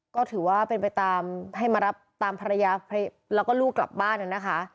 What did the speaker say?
ก็ถือว่าเป็นไปตามให้มารับตามภรรยาแล้วก็ลูกกลับบ้านนะคะ